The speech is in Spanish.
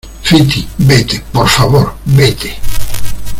Fiti, vete , por favor. vete .